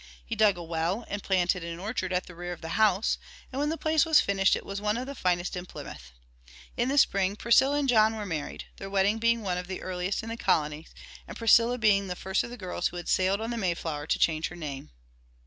He dug a well and planted an orchard at the rear of the house, and when the place was finished it was one of the finest in Plymouth. In the spring Priscilla and John were married, their wedding being one of the earliest in the colony, and Priscilla being the first of the girls who had sailed on the Mayflower to change her name.